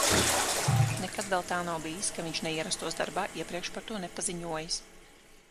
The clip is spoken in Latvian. Nekad vēl tā nav bijis, ka viņš neierastos darbā, iepriekš par to nepaziņojis.